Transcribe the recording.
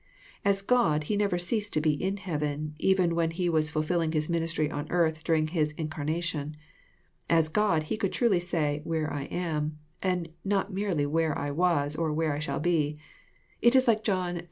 As GoU^he never ceased to be in heaven, even wh€nHe was fulfilling His ministry on earth during his incarnation. As God, He could truly say, " where I am," and not merely where I was," or where I shall be." It is like John Hi.